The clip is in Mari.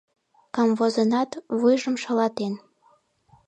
Камвозынат, вуйжым шалатен.